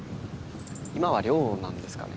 今は寮なんですかね？